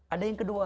ada yang kedua